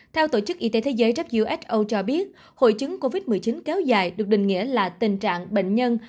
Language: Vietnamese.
theo tổ chức y tế thế giới who cho biết hội chứng covid một mươi chín kéo dài được định nghĩa là tình trạng bệnh nhân